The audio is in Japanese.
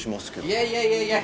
いやいやいやいや。